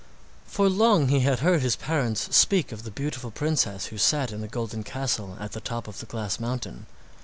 For long he had heard his parents speak of the beautiful princess who sat in the golden castle at the top of the glass mountain.